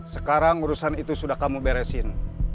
sekarang urusan itu sudah kamu beresin